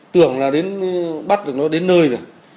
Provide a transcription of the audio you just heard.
tưởng là đến bắt được nó đến nơi rồi